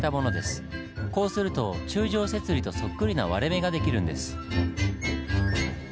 こうすると柱状節理とそっくりな割れ目が出来るんです。